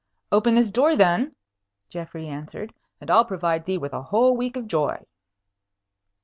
"Open this door then," Geoffrey answered, "and I'll provide thee with a whole week of joy."